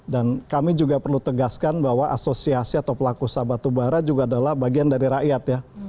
dan kami juga perlu tegaskan bahwa asosiasi atau pelaku sah batubara juga adalah bagian dari rakyat ya